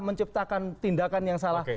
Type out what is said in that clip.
menciptakan tindakan yang salah